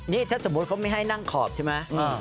นี่ถ้าสมมุติเขาไม่ให้นั่งขอบใช่ไหม